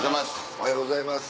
おはようございます。